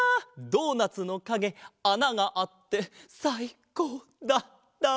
ドーナツのかげあながあってさいこうだった！